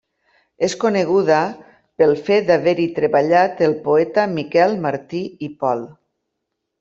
És coneguda pel fet d'haver-hi treballat el poeta Miquel Martí i Pol.